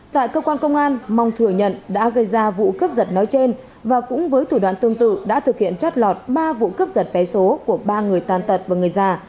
tại cơ quan công an mong thừa nhận đã gây ra vụ cướp giật nói trên và cũng với thủ đoạn tương tự đã thực hiện trót lọt ba vụ cướp giật vé số của ba người tàn tật và người già